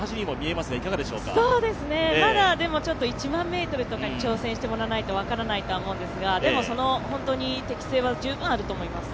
まだ、でも１００００ｍに挑戦してもらわないとわからないんですがでも適性は十分にあると思います。